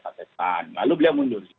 partai pan lalu beliau mundur